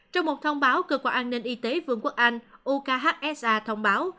trong một thông báo cơ quan an ninh y tế vương quốc anh ukhsa thông báo